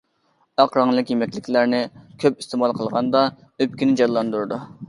ئاق رەڭلىك يېمەكلىكلەرنى كۆپ ئىستېمال قىلغاندا، ئۆپكىنى جانلاندۇرىدۇ.